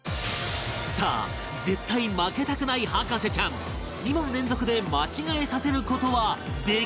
さあ絶対負けたくない博士ちゃん２問連続で間違えさせる事はできるのか？